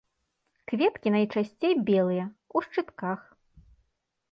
Кветкі найчасцей белыя, у шчытках.